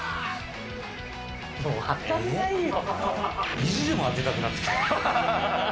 意地でも当てたくなってきた。